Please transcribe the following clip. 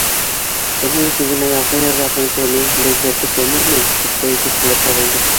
Шуның өсөн генә яҙғы йырҙарҙың тәме-ләз-зәте кәмерме? — тип тә әйтеүселәр табылды.